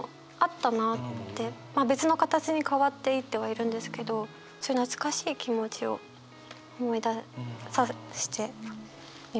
別の形に変わっていってはいるんですけどそういう懐かしい気持ちを思い出していました。